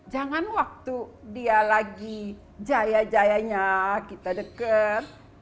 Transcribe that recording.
jangan waktu dia lagi jaya jayanya kita deket